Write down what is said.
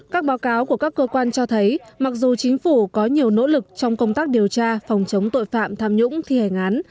các báo cáo của các cơ quan cho thấy mặc dù chính phủ có nhiều nỗ lực trong công tác điều tra phòng chống tội phạm tham nhũng thi hành án